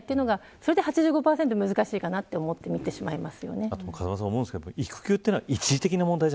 その中で８５％は難しいなと思ってしまいます。